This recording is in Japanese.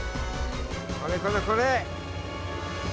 これこれこれ！